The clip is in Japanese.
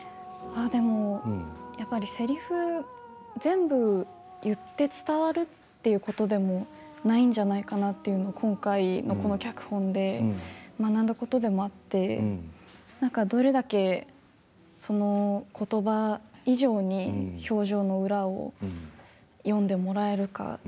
でも、せりふ全部言って伝わるということでもないんじゃないかなというのを今回この脚本で学んだことでもあってどれだけそのことば以上に表情の裏を読んでもらえるか